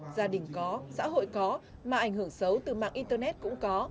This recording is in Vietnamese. gia đình có xã hội có mà ảnh hưởng xấu từ mạng internet cũng có